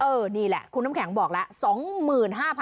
นี่แหละคุณน้ำแข็งบอกแล้ว